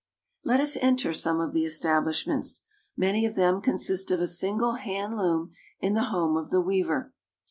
Let us enter some of the establishments. Many of them consist of a single hand loom in the home of the weaver.